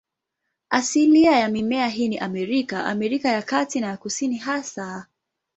Asilia ya mimea hii ni Amerika, Amerika ya Kati na ya Kusini hasa.